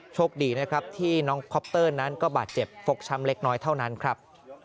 โชคดีนะครับที่น้องคอปเตอร์นั้นก็บาดเจ็บฟกช้ำเล็กน้อยเท่านั้นครับ